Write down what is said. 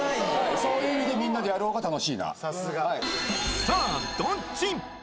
そういう意味でみんなでやる方が楽しいがさあどっち？